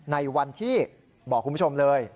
ในวันที่บอกคุณผู้ชมเลย